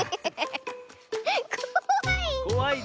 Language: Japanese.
こわい！